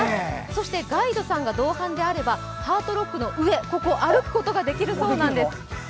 そしてガイドさんが同伴であればハートロックの上、ここを歩くことができるそうなんです。